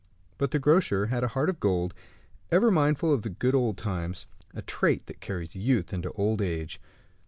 But the grocer had a heart of gold, ever mindful of the good old times a trait that carries youth into old age.